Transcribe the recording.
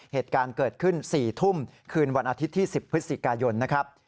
เหตุการณ์เกิดขึ้น๔ทุ่มคืนวันอาทิตย์ที่๑๐พฤศจิกายนนะครับ